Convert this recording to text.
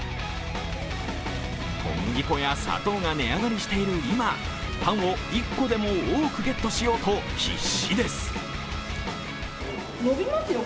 小麦粉や砂糖が値上がりしている今、パンを１個でも多くゲットしようと必死です。